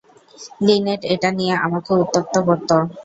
Linate এটা নিয়ে আমাকে উত্যক্ত করত।